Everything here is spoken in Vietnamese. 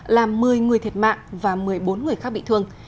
làm một mươi người thiệt mạng và một mươi bốn người khác bị thương